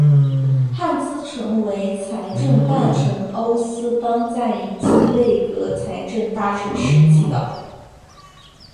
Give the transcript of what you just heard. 汉兹曾为财政大臣欧思邦在影子内阁财政大臣时期的。